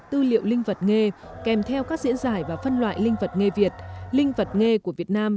tư liệu linh vật nghề kèm theo các diễn giải và phân loại linh vật nghề việt linh vật nghề của việt nam